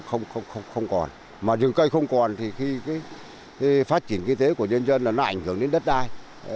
không còn mà rừng cây không còn thì khi phát triển kinh tế của nhân dân là nó ảnh hưởng đến đất đai